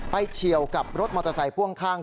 เฉียวกับรถมอเตอร์ไซค์พ่วงข้าง